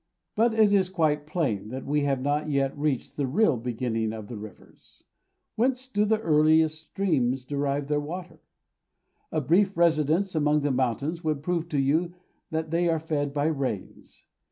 But it is quite plain, that we have not yet reached the real beginning of the rivers. Whence do the earliest streams derive their water? A brief residence among the mountains would prove to you that they are fed by rains.